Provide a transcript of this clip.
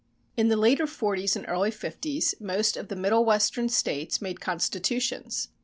In the later forties and early fifties most of the Middle Western States made constitutions.